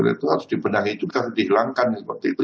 itu harus dibenahi juga dihilangkan seperti itu